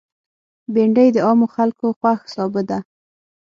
بېنډۍ د عامو خلکو خوښ سابه ده